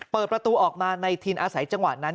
เปิดประตูออกมาในทินอาศัยจังหวะนั้น